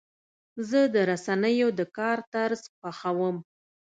زه د رسنیو د کار طرز خوښوم.